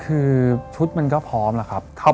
คือชุดมันก็พร้อมแล้วครับ